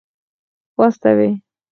واستوي.